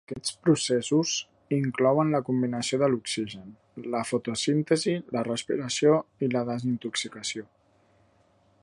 Aquests processos inclouen la combinació de l'oxigen, la fotosíntesi, la respiració i la desintoxicació.